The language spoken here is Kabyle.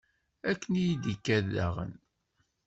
Akken i yi-d-ikad daɣen.